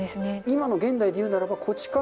今の現代でいうならば。